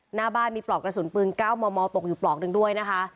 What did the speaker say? หน้าบ้านมีปลอกกระสุนปืน๙มมตกอยู่ปลอกหนึ่งด้วยนะคะ